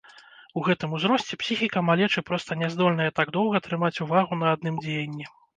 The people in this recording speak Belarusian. У гэтым узросце псіхіка малечы проста няздольная так доўга трымаць увагу на адным дзеянні.